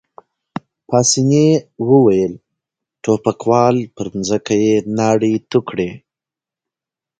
پاسیني وویل: ټوپکوال، پر مځکه يې ناړې تو کړې.